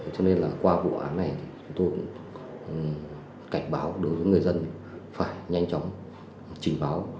cho nên là qua vụ án này tôi cảnh báo đối với người dân phải nhanh chóng trình báo